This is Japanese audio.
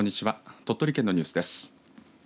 鳥取県のニュースです。